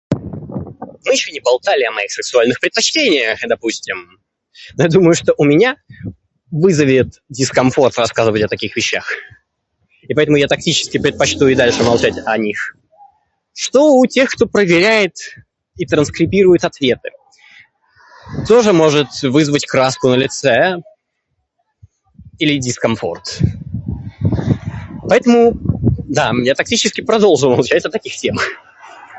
Мы ещё не болтали о моих сексуальных предпочтения, допустим, но я думаю, что у меня вызовет дискомфорт рассказывать о таких вещах, и поэтому я тактически предпочту и дальше молчать о них. Что у тех, кто проверят и транскрибирует ответы тоже может вызвать краску на лице или дискомфорт. Поэтому да, я тактически продолжу молчать о таких темах.